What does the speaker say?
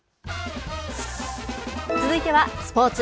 続いてはスポーツ。